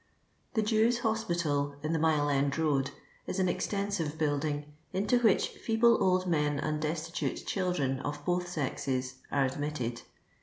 The Jews' Hospital, in the Hile ena Road, is an extensive building, into which feeble old men and destitute children of both sexes are admitted.